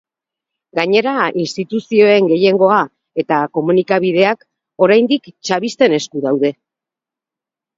Gainera, instituzioen gehiengoa eta komunikabideak, oraindik, chavisten esku daude.